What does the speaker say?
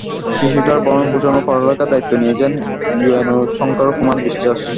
শিশুটির ভরণ পোষণ ও পড়ালেখার দায়িত্ব নিয়েছেন ইউএনও শঙ্কর কুমার বিশ্বাস।